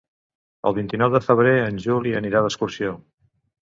El vint-i-nou de febrer en Juli anirà d'excursió.